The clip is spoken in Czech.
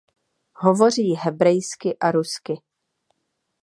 Hovoří hebrejsky a rusky.